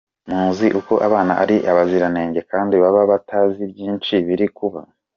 Muzi uko abana ari abaziranenge kandi baba batazi byinshi biri kuba.